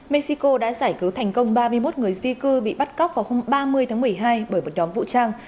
mexico đã giải cứu thành công ba mươi một người di cư bị bắt cóc vào hôm ba mươi tháng một mươi hai bởi một nhóm vũ trang